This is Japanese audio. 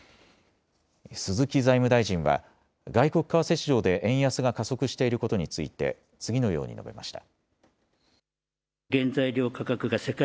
鈴木財務大臣は外国為替市場で円安が加速していることについて次のように述べました。